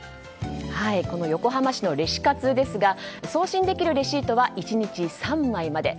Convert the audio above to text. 横浜市のレシ活ですが送信できるレシートは１日３枚まで。